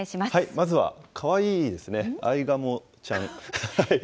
まずはかわいいですね、アイガモちゃん。